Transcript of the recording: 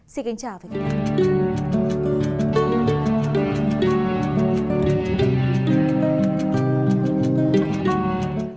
xin kính chào và hẹn gặp lại